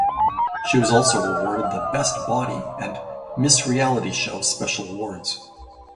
She was also awarded the "Best Body" and "Miss Reality Show" special awards.